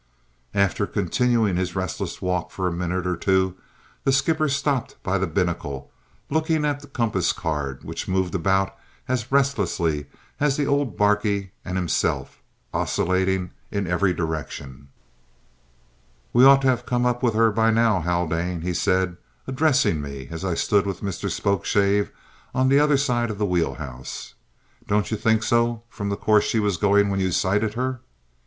After continuing his restless walk for a minute or two, the skipper stopped by the binnacle, looking at the compass card, which moved about as restlessly as the old barquey and himself, oscillating in every direction. "We ought to have come up with her by now, Haldane," he said, addressing me, as I stood with Spokeshave on the other side of the wheel house. "Don't you think so from the course she was going when you sighted her?"